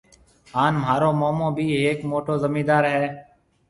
هانَ مهارو مومو بي هيَڪ موٽو زميندار هيَ۔